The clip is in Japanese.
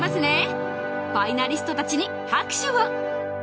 ファイナリストたちに拍手を